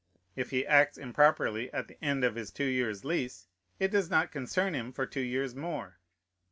If he acts improperly at the end of his two years' lease, it does not concern him for two years more.